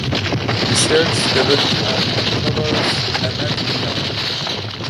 He searches the body and recovers a medallion.